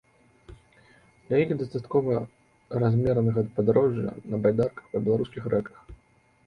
Для іх дастаткова размеранага падарожжа на байдарках па беларускіх рэках.